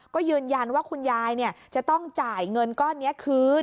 ก็ยืนยันว่าคุณยายจะต้องจ่ายเงินก้อนนี้คืน